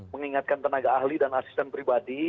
mengingatkan tenaga ahli dan asisten pribadi